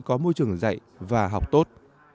có môi trường dạy và học tốt